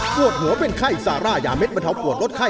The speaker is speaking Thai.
ปวดหัวเป็นไข้ซาร่ายาเด็ดบรรเทาปวดลดไข้